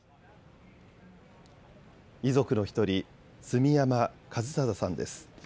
遺族の１人、住山一貞さんです。